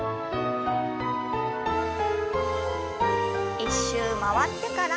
１周回ってから。